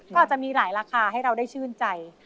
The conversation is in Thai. ก็อาจจะมีหลายราคาให้เราได้ชื่นใจ